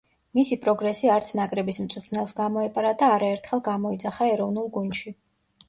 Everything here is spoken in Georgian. მისი პროგრესი არც ნაკრების მწვრთნელს გამოეპარა და არაერთხელ გამოიძახა ეროვნულ გუნდში.